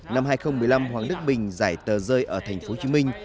năm hai nghìn một mươi năm hoàng đức bình giải tờ rơi ở thành phố hồ chí minh